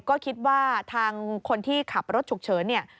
ก็คิดว่าทางคนที่ขับรถฉุกเฉินเนี่ย